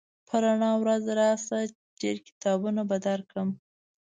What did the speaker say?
په رڼا ورځ راشه ډېر کتابونه به درکړم